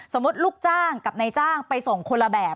ลูกจ้างกับนายจ้างไปส่งคนละแบบ